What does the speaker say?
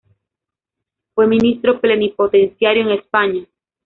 Fue ministro plenipotenciario en España.